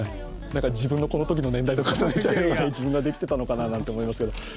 自分のこのときの年代と重ねて自分ができてたのかなと思いますけど。